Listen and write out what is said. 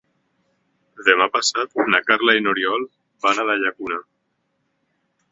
Demà passat na Carla i n'Oriol van a la Llacuna.